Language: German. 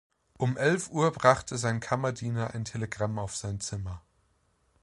Um elf Uhr brachte sein Kammerdiener ein Telegramm auf sein Zimmer.